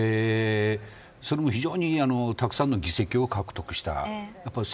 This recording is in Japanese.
それも非常にたくさんの議席を獲得しています。